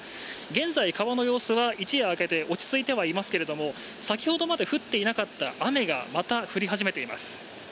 現在川の様子は一夜明けて落ち着いてはいますけれども先ほどまで降っていなかった雨がまた降り始めています。